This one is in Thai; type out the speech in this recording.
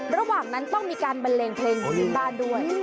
ระหว่างนั้นต้องมีการบันเลงเพลงของที่บ้านด้วย